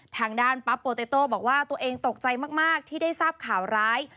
ทางด้านปั๊บโปเตโต้บอกว่าตัวเองตกใจมากที่ได้ทราบข่าวร้าย